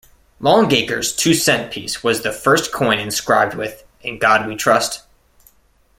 Longacre's two-cent piece was the first coin inscribed with "In God We Trust".